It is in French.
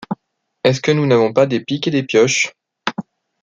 Est-ce que nous n’avons pas des pics et des pioches